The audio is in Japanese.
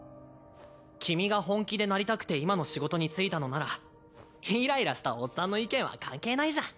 君が本気でなりたくて今の仕事に就いたのならイライラしたおっさんの意見は関係ないじゃん。